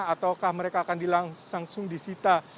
apakah mereka akan disita